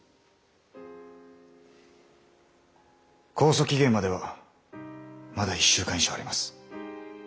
控訴期限まではまだ１週間以上あります。